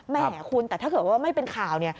แหมคุณแต่ถ้าเกิดว่าไม่เป็นข่าว